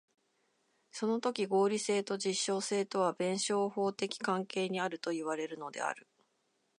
そのとき合理性と実証性とは弁証法的関係にあるといわれるのである。